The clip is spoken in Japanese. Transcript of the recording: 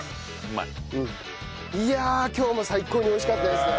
いや今日も最高に美味しかったですね。